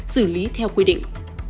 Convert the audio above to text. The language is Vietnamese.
xử lý theo quy định